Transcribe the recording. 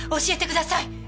教えてください！